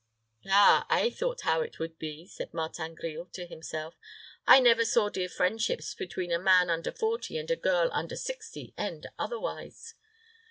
"Ah, I thought how it would be," said Martin Grille to himself. "I never saw dear friendships between a man under forty and a girl under sixty end otherwise.